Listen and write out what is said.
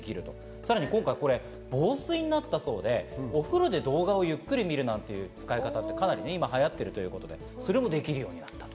さらに今回、防水になったそうで、お風呂で動画をゆっくり見るなんていう使い方も今、流行っているということで、それもできる。